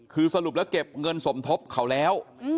คือสรุปแล้วเก็บเงินสมทบเขาแล้ว